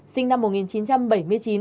sinh năm một nghìn chín trăm bảy mươi chín